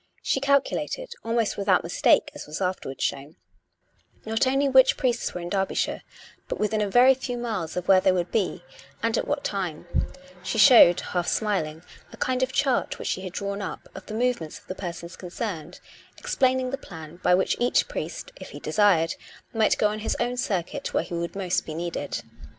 She calculated, almost without mistake, as was afterwards shown, not only which priests were in Derby shire, but within a very few miles of where they would be and at what time: she showed, half smiling, a kind of chart which she had drawn up, of the movements of the persons concerned, explaining the plan by which each priest (if he desired) might go on his own circuit where he would be most needed.